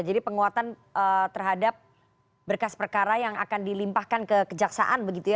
jadi penguatan terhadap berkas perkara yang akan dilimpahkan ke kejaksaan begitu ya